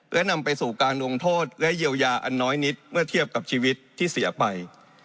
และนำไปสู่การลงโทษและเยียวยาอันน้อยนิดเมื่อเทียบกับชีวิตที่เสียไป